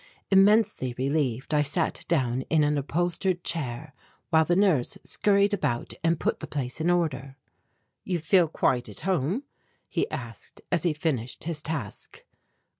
Immensely relieved I sat down in an upholstered chair while the nurse scurried about and put the place in order. "You feel quite at home?" he asked as he finished his task.